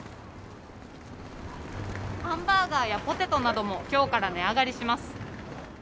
ハンバーガーやポテトなども、きょうから値上がりします。